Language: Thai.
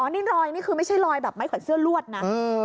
นี่รอยนี่คือไม่ใช่รอยแบบไม้ขวัญเสื้อลวดนะ